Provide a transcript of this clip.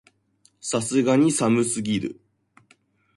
さすがに寒すぎる